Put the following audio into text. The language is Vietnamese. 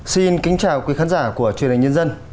xin kính chào quý khán giả của truyền hình nhân dân